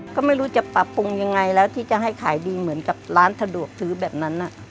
ก็ไม่รู้จะปรับปรุงยังไงแล้วที่จะให้ขายดีเหมือนกับร้านสะดวกซื้อแบบนั้น